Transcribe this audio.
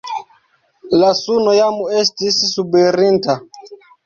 La suno jam estis subirinta.